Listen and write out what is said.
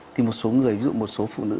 thì một số người ví dụ một số phụ nữ